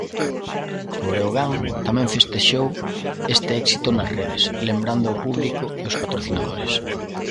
O Breogán tamén festexou este éxito nas redes, lembrando o público e os patrocinadores.